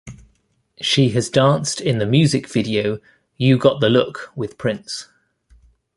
She has danced in the music video "U Got the Look" with Prince.